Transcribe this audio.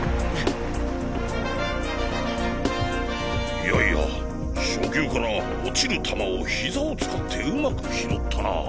いやいや初球から落ちる球を膝を使ってうまく拾ったなぁ。